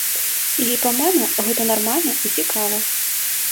І, па-мойму, гэта нармальна і цікава.